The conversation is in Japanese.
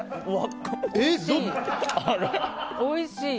おいしい。